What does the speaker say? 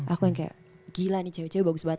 aku yang kayak gila nih cewek cewek bagus banget